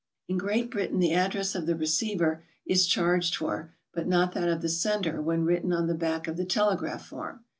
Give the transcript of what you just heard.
In Great Britain the address of the receiver is charged for, but not that of the sender when written on the back of the telegraph form.